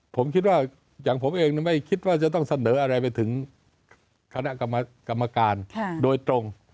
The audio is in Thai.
ผมคิดว่าอย่างผมเองไม่คิดว่าจะต้องเสนออะไรไปถึงคณะกรรมการโดยตรง